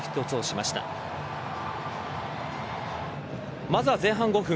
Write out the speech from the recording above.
まずは前半５分。